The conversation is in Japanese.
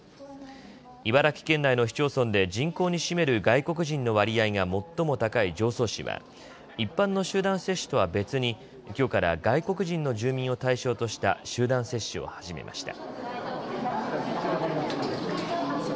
茨城県内の市町村で人口に占める外国人の割合が最も高い常総市は一般の集団接種とは別にきょうから外国人の住民を対象とした集団接種を始めました。